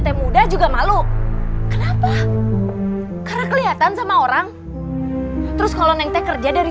teh muda juga malu kenapa karena kelihatan sama orang terus kalau nengtek kerja dari